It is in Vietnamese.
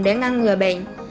để ngăn ngừa bệnh